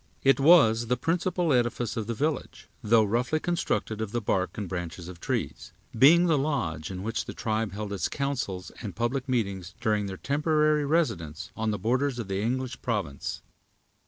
It was the principal edifice of the village, though roughly constructed of the bark and branches of trees; being the lodge in which the tribe held its councils and public meetings during their temporary residence on the borders of the English province.